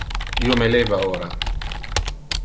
Io me leva ora.